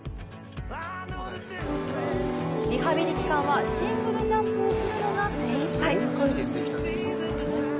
リハビリ期間はシングルジャンプをするのが精いっぱい。